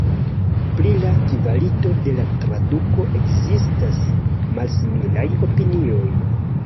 Pri la kvalito de la traduko ekzistas malsimilaj opinioj.